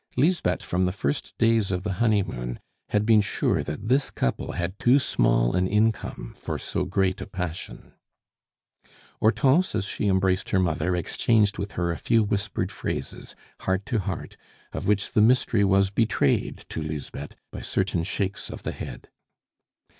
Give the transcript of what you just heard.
Lisbeth, from the first days of the honeymoon, had been sure that this couple had too small an income for so great a passion. Hortense, as she embraced her mother, exchanged with her a few whispered phrases, heart to heart, of which the mystery was betrayed to Lisbeth by certain shakes of the head.